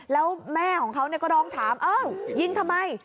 แล้วแม่ของเขาก็ร้องถามอ้าวยิงทำไม